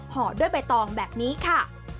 ห่อด้วยใบตองแบบนี้ค่ะ